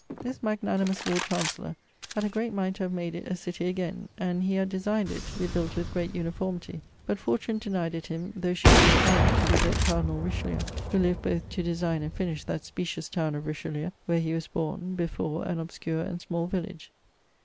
This magnanimous Lord Chancellor had a great mind to have made it a citie again: and he had designed it, to be built with great uniformity: but Fortune denyed it him, though she proved kinder the great Cardinal Richelieu, who lived both to designe and finish that specious towne of Richelieu, where he was borne; before, an obscure and small vilage.